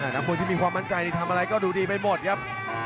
นักมวยที่มีความมั่นใจทำอะไรก็ดูดีไปหมดครับ